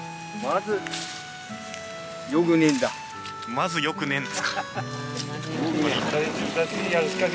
まずよくねえんですか？